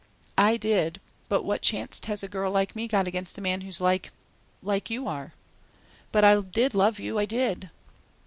I did, but what chanct has a girl like me got against a man who's like like you are? But I did love you; I did!"